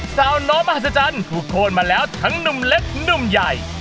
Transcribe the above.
สาวน้อยมหัศจรรย์ถูกโทษมาแล้วทั้งหนุ่มเล็กหนุ่มใหญ่